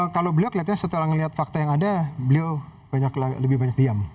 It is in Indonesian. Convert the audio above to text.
kalau beliau kelihatannya setelah melihat fakta yang ada beliau lebih banyak diam